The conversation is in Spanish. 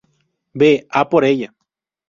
Ve a por ella!